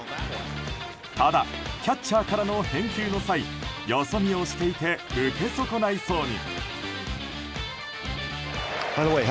ただ、キャッチャーからの返球の際よそ見をしていて受けそこないそうに。